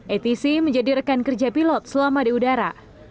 atc menjadi rekan kerja pilot selama di udara